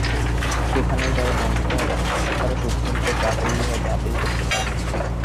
সেখানেও যাঁরা দণ্ডিত হবেন, তাঁরা সুপ্রিম কোর্টের আপিল বিভাগে আপিল করতে পারবেন।